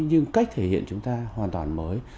nhưng cách thể hiện chúng ta hoàn toàn mới